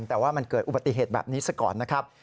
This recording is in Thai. แต่ว่ามันเกิดอุบัติเหตุแบบนี้ซะก่อนนะครับ